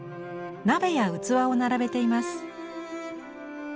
鍋や器を並べています。